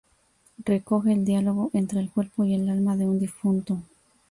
Recoge el diálogo entre el cuerpo y el alma de un difunto.